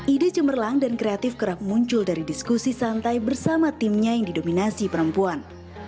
ide cemerlang dan kreatif kerap muncul dari diskusi santai bersama timnya yang didominasi perempuan